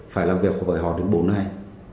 phải làm việc với họ đến bốn ngày